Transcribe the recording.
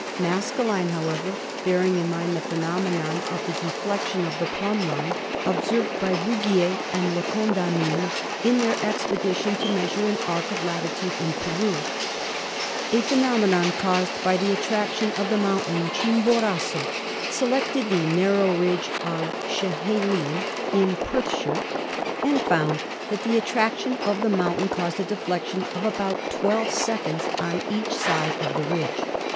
Mas 152 ASTRONOMY kelyne, however, bearing in mind the phenomenon of the deflection of the plumb line observed by Bouguer and La Condamine in their expedition to measure an arc of latitude in Peru (a phenomenon caused by the attraction of the mountain Chimborazo), selected the narrow ridge of Schehallien in Perthshire and found that the attraction of the mountain caused a deflection of about 12" on each side of the ridge.